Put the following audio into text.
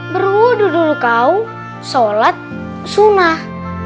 berwudu dulu kau sholat sunnah